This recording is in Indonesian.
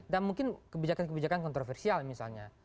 dan mungkin kebijakan kebijakan kontroversial misalnya